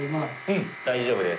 大丈夫です。